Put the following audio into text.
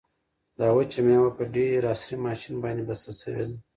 دا وچه مېوه په ډېر عصري ماشین باندې بسته شوې ده.